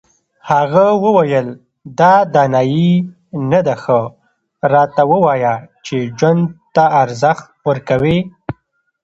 هغه وویل دا دانایي نه ده ښه راته ووایه چې ژوند ته ارزښت ورکوې.